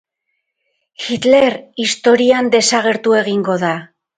Hitler historian desagertu egingo da.